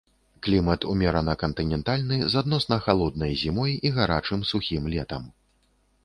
Клімат умерана-кантынентальны з адносна халоднай зімой і гарачым, сухім летам.